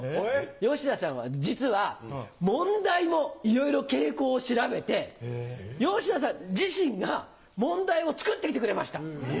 よしなちゃんは実は問題もいろいろ傾向を調べてよしなちゃん自身が問題を作ってきてくれました。